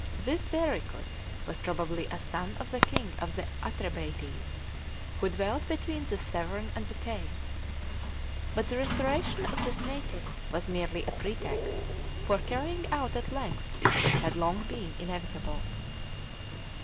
This Bericus was probably a son of the king of the Atrebates, who dwelled between the Severn and the Thames. But the restoration of this native was merely a pretext for carrying out at length what had long been inevitable.